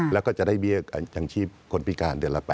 แล้วก็จะได้เบี้ยยังชีพคนพิการเดือนละ๘๐